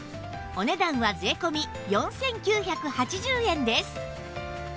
お値段は税込４９８０円です